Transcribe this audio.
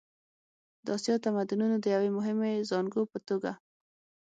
د اسیا د تمدنونو د یوې مهمې زانګو په توګه.